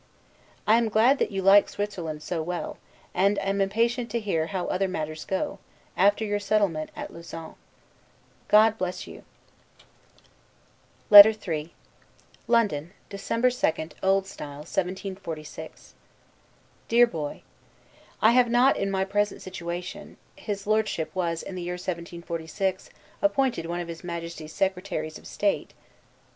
I am glad that you like Switzerland so well; and am impatient to hear how other matters go, after your settlement at Lausanne. God bless you! LETTER III LONDON, December 2, O.S. 1746. DEAR BOY: I have not, in my present situation, [His Lordship was, in the year 1746, appointed one of his Majesty's secretaries of state.